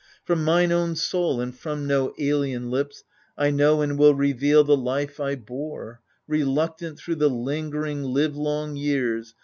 From mine own soul and from no alien lips, I know and will reveal the life I bore, Reluctant, through the lingering livelong years.